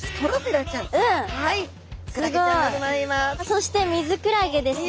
そしてミズクラゲですね。